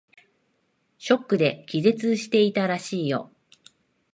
ショックで気絶していたらしいよ。